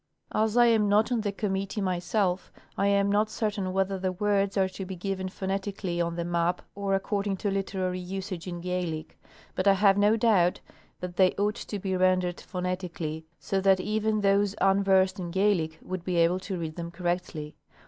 As I am not on the com mittee myself, I am not certain whether the words are to be given phonetically on the map or according to literary usage in Gaelic ; but I have no doubt that they ought to be rendered phonetically, so that even those unversed in Gaelic would be able to read them correctly.